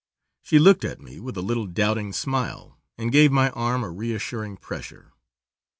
She looked at me with a little doubting smile, and gave my arm a reassuring pressure.